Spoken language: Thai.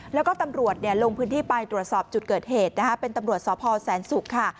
แล้วก็ตำรวจลงพื้นที่ไปตรวจสอบจุดเกิดเหตุนะคะเป็นตำรวจสพแสนศุกร์ค่ะ